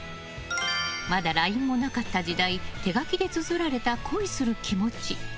まだＬＩＮＥもなかった時代手書きでつづられた恋する気持ち。